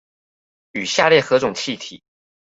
與下列何種氣體